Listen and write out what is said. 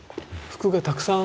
服がたくさん。